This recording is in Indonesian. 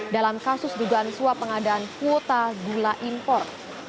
dalam kasus dugaan suap pengadaan kuota gula impor